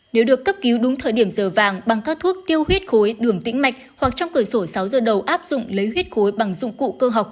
nếu được cấp cứu đúng thời điểm giờ vàng bằng các thuốc tiêu huyết khối đường tĩnh mạch hoặc trong cửa sổ sáu giờ đầu áp dụng lấy huyết khối bằng dụng cụ cơ học